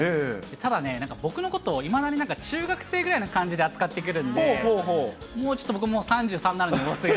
ただね、僕のことを、いまだに中学生ぐらいな感じで扱ってくるんで、もう、ちょっと僕、３３になるんで、もうすぐ。